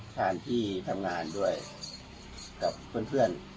ตามที่ทำงานด้วยกับเพื่อน